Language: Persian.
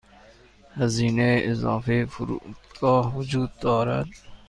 هزینه اضافه فرودگاه وجود دارد.